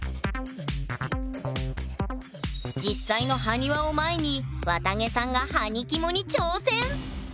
実際の埴輪を前にわたげさんがはにキモに挑戦！